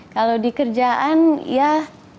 kalau di kerjaan ya tanggung jawab kami